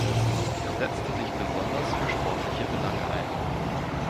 Er setzte sich besonders für sportliche Belange ein.